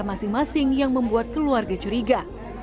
masing masing yang membuat keluarga curiga